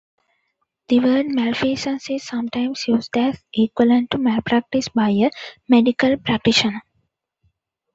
The word malfeasance is sometimes used as equivalent to malpractice by a medical practitioner.